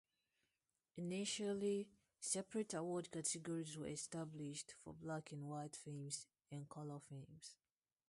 Initially, separate award categories were established for black-and-white films and color films.